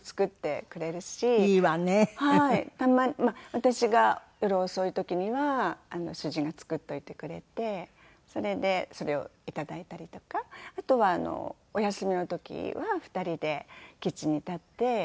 私が夜遅い時には主人が作っておいてくれてそれでそれを頂いたりとかあとはお休みの時は２人でキッチンに立って。